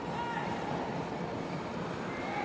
สวัสดีทุกคน